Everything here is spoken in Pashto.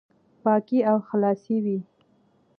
پاکي او خلاصي وي،